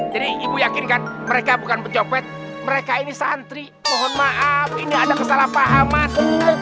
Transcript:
jadi ibu yakinkan mereka bukan bercopet mereka ini santri mohon maaf ini ada kesalahpahaman